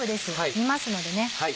煮ますのでね。